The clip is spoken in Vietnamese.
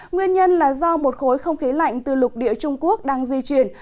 nguyên nhân là do một khối không khí lạnh từ lục địa trung quốc đang di chuyển